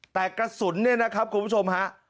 แต่กระสุนเนี่ยนะครับคุณผู้ชมฮะ